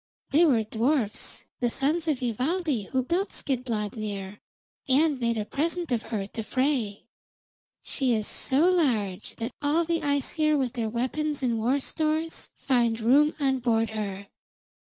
They were dwarfs, the sons of Ivaldi, who built Skidbladnir, and made a present of her to Frey. She is so large that all the Æsir with their weapons and war stores find room on board her.